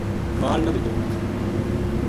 مال نہ دِتو